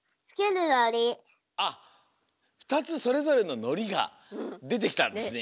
あっふたつそれぞれののりがでてきたんですね。